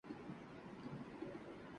وہ گاڑی کے حادثے میں زخمی ہوئی تھی